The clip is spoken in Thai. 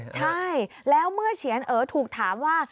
ใช่แล้วเมื่อเฉียนเอ๋ถูกถามว่า